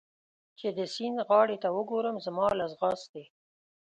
چې د سیند غاړې ته وګورم، زما له ځغاستې.